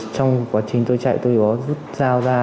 trong quá trình tôi chạy tôi có rút dao ra